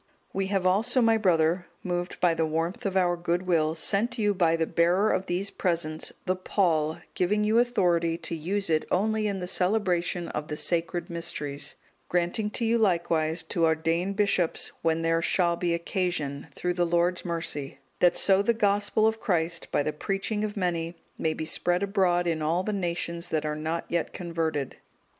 '(205) "We have also, my brother, moved by the warmth of our goodwill, sent you by the bearer of these presents, the pall, giving you authority to use it only in the celebration of the Sacred Mysteries; granting to you likewise to ordain bishops when there shall be occasion, through the Lord's mercy; that so the Gospel of Christ, by the preaching of many, may be spread abroad in all the nations that are not yet converted.